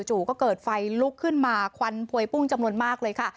ก็เกิดไฟลุกขึ้นมาควันพวยพุ่งจำนวนมากเลยค่ะ